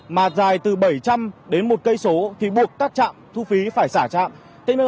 mà dài từ bảy trăm linh đến một km thì buộc các trạm thu phí phải xả trạm